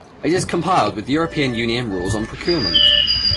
It also complied with European Union rules on procurement.